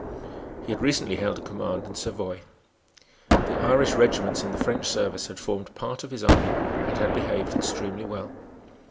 He had recently held a command in Savoy. The Irish regiments in the French service had formed part of his army, and had behaved extremely well.